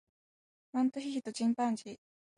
姉は天才である